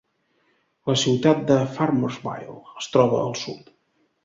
La ciutat de Farmersville es troba al sud.